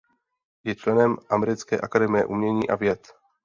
Je členem Americké akademie umění a věd.